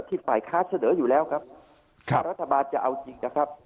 ฝ่ายค้าเสนออยู่แล้วครับว่ารัฐบาลจะเอาจริงนะครับ